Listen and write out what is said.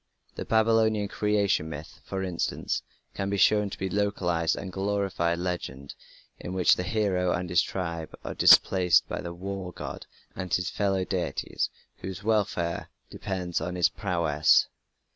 The Babylonian Creation Myth, for instance, can be shown to be a localized and glorified legend in which the hero and his tribe are displaced by the war god and his fellow deities whose welfare depends on his prowess.